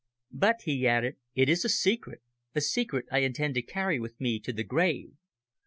`But,' he added, `it is a secret a secret I intend to carry with me to the grave.'"